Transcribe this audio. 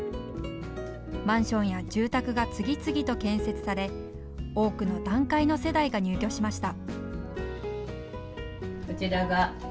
マンションや住宅が次々と建設され多くの団塊の世代が入居しました。